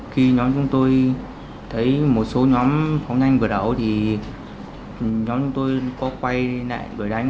khi nhóm chúng tôi thấy một số nhóm phóng nhanh vừa đảo thì nhóm chúng tôi có quay lại đuổi đánh